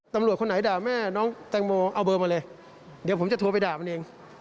คนไหนด่าแม่น้องแตงโมเอาเบอร์มาเลยเดี๋ยวผมจะโทรไปด่ามันเอง